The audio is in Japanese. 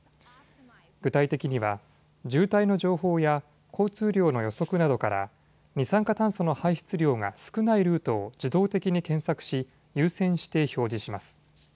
具体的には渋滞の情報や交通量の予測などから二酸化炭素の排出量が少ないルートを自動的に検索し優先して表示します。